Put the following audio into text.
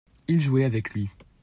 il jouait avec lui.